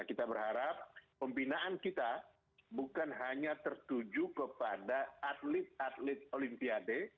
kita berharap pembinaan kita bukan hanya tertuju kepada atlet atlet olimpiade